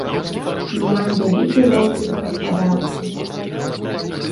Мы маем вялікі росквіт гаспадаркі.